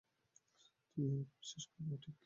তুমি আমাকে বিশ্বাস করো, ঠিক?